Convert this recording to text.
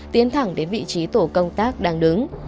tiến thẳng đến vị trí tổ công tác đang đứng